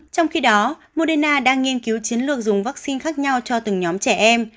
trong khi đó moderna đang nghiên cứu chiến lược dùng vaccine khác nhau cho từng nhóm trẻ em